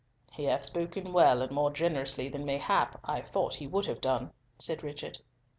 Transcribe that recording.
"He hath spoken well and more generously than, mayhap, I thought he would have done," said Richard.